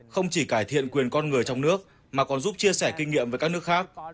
không chỉ cải thiện quyền con người trong nước mà còn giúp chia sẻ kinh nghiệm với các nước khác